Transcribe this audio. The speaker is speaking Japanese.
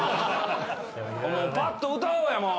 パッと歌おうやもう！